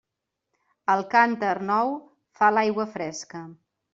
El cànter nou fa l'aigua fresca.